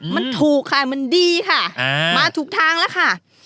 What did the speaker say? มันถูกค่ะมันดีค่ะมาถูกทางแล้วค่ะ